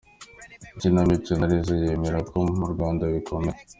Ikinamico na Riza yemera ko mu Rwanda bikomeye.